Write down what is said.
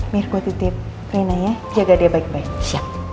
mirko titip rina ya jaga dia baik baik siap